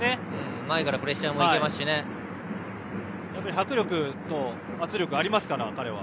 迫力と圧力がありますから彼は。